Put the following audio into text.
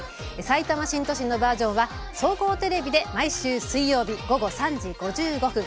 さいたま新都心バージョンは総合テレビで毎週水曜日午後３時５５分